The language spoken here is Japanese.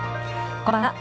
こんばんは。